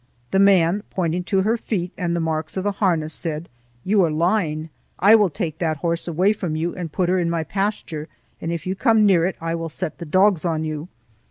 The man, pointing to her feet and the marks of the harness, said: "You are lying. I will take that horse away from you and put her in my pasture, and if you come near it I will set the dogs on you."